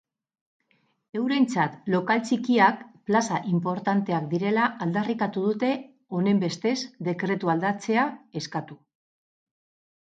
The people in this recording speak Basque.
Eurentzat lokal txikiak plaza inportanteak direla aldarrikatu dute honenbestez dekretua aldatzea eskatu.